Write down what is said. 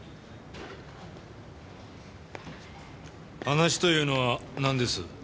話というのはなんです？